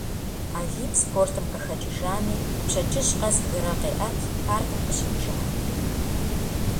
Алим спортым къыхэкӏыжами, пщэдджыжь къэс гырэ къеӏэт, паркым къыщежыхь.